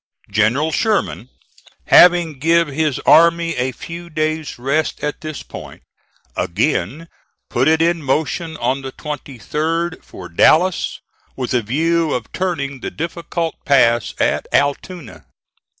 General Sherman, having give his army a few days' rest at this point, again put it in motion on the 23d, for Dallas, with a view of turning the difficult pass at Allatoona.